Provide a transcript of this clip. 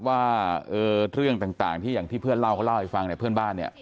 ว่าเรื่องต่างที่เพื่อนเล่าเล่าให้ฟังในเพื่อนบ้าน